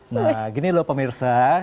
nah gini loh pemirsa